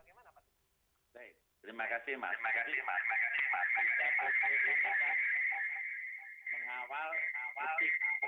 bagaimana pak teguh